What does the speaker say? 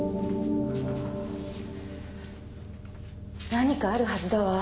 何かあるはずだわ。